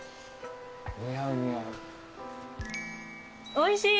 おいしい。